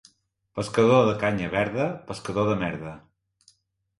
Pescador de canya verda, pescador de merda.